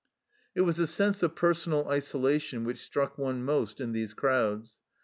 It was the sense of personal isolation which struck one most in these crowds.